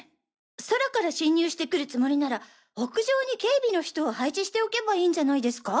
空から侵入してくるつもりなら屋上に警備の人を配置しておけばいいんじゃないですか？